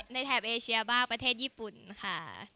แถบเอเชียบ้าประเทศญี่ปุ่นค่ะ